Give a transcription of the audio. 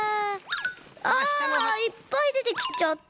ああっいっぱいでてきちゃった。